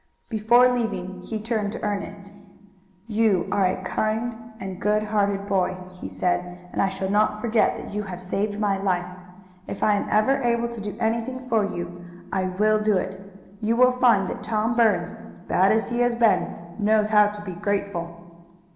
Before leaving he turned to Ernest. "You are a good hearted boy," he said, "and I shall not forget that you have saved my life. If I am ever able to do anything for you, I will do it. You will find that Tom Burns, bad as he has been, knows how to be grateful."